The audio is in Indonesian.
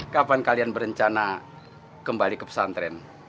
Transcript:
kapan kalian berencana kembali ke pesantren